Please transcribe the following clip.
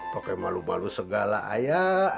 pakai malu malu segala ayah